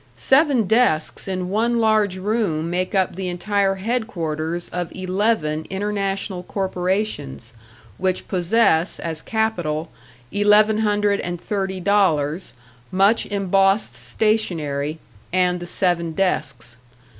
Seven desks in one large room make up the entire headquarters of eleven international corporations, which possess, as capital, eleven hundred and thirty dollars, much embossed stationery and the seven desks.